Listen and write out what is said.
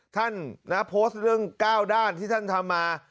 ท่านโพสต์เรื่อง๙ด้านที่ท่านทำมา